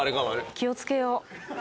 気をつけよう。